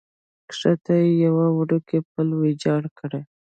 کښته یې یو وړوکی پل ویجاړ کړی.